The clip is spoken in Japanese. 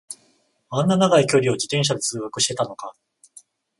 あんな長い距離を自転車で通学してたのか